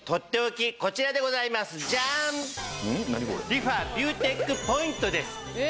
リファビューテックポイントです。